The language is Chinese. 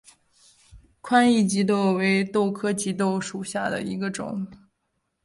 宽翼棘豆为豆科棘豆属下的一个种。